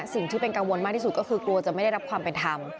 สิ่งที่เป็นกังวลมากที่สุดก็คือกลัวจะไม่ได้รับความเป็นธรรม